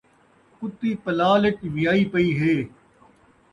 کتی پلال ءِچ ویائی پئی ہے